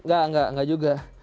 nggak nggak nggak juga